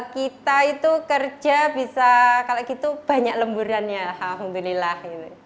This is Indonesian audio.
kita itu kerja bisa kalau gitu banyak lemburannya alhamdulillah